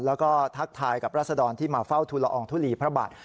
แล้วก็ทักทายกับราศดรที่มาเฝ้าทุลอองทุลีพระบาท